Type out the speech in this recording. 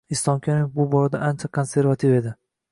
Islom Karimov bu borada ancha konservativ edi